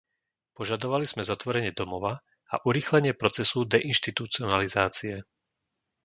Požadovali sme zatvorenie domova a urýchlenie procesu deinštitucionalizácie.